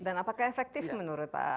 dan apakah efektif menurut anda